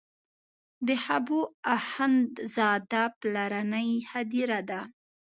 د حبو اخند زاده پلرنۍ هدیره ده.